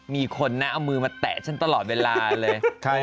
มีคนน่ะเอามือมาแล้วชันทั้งเวลาเลย